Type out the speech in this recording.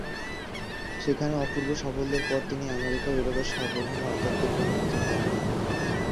সেখানে অপূর্ব সাফল্যের পর তিনি আমেরিকা ও ইউরোপে সার্বভৌম আধ্যাত্মিক বাণী প্রচার করেন।